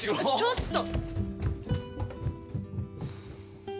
ちょっと。